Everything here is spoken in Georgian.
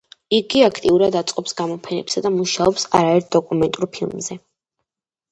იგი აქტიურად აწყობს გამოფენებს და მუშაობს არაერთ დოკუმენტურ ფილმზე.